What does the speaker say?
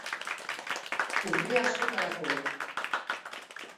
Urte askotarako!